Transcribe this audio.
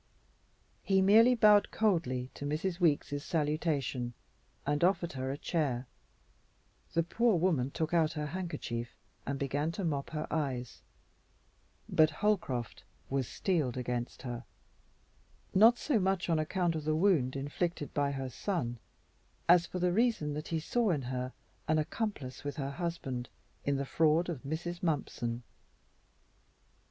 He merely bowed coldly to Mrs. Weeks' salutation and offered her a chair. The poor woman took out her handkerchief and began to mop her eyes, but Holcroft was steeled against her, not so much on account of the wound inflicted by her son as for the reason that he saw in her an accomplice with her husband in the fraud of Mrs. Mumpson.